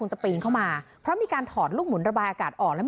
คงจะไปยิงเข้ามาเพราะมีการถอดลูกหมุนระบายอากาศออก